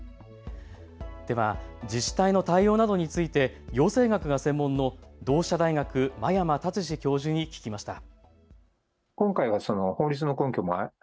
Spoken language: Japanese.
では自治体の対応などについて行政学が専門の同志社大学真山達志教授に聞きました。